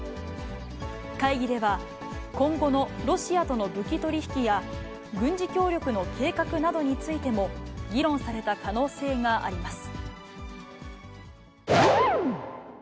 会議では、今後のロシアとの武器取り引きや軍事協力の計画などについても、議論された可能性があります。